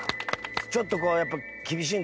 ちょっとこうやっぱ。